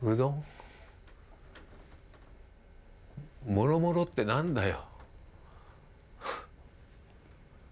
もろもろって何だよ。